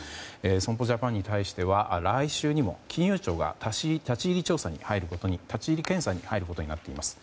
損保ジャパンに対しては来週にも金融庁が立ち入り検査に入ることになっています。